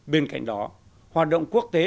bên cạnh đó hoạt động quốc tế